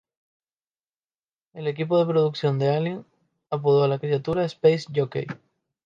El equipo de producción de "Alien" apodó a la criatura "Space Jockey".